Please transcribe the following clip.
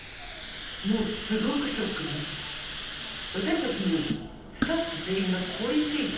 もうすごくショックで私たちもスタッフ全員が凍りついた。